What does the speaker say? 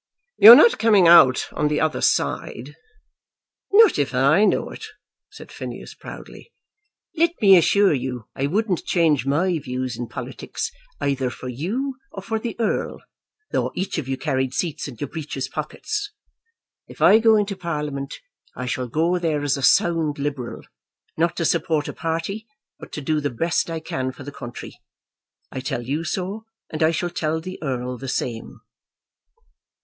"You're not coming out on the other side?" "Not if I know it," said Phineas, proudly. "Let me assure you I wouldn't change my views in politics either for you or for the Earl, though each of you carried seats in your breeches pockets. If I go into Parliament, I shall go there as a sound Liberal, not to support a party, but to do the best I can for the country. I tell you so, and I shall tell the Earl the same."